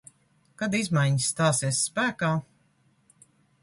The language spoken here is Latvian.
Kad izmaiņas stāsies spēkā?